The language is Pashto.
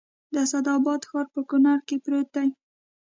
د اسداباد ښار په کونړ کې پروت دی